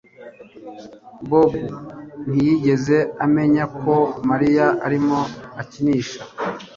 Bobo ntiyigeze amenya ko Mariya arimo akinisha